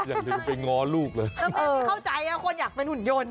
อย่างนึกแม่